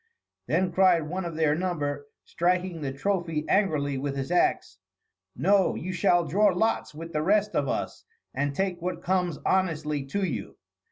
Then cried one of their number, striking the trophy angrily with his axe, "No, you shall draw lots with the rest of us, and take what comes honestly to you."